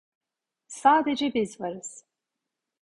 Sadece biz varız.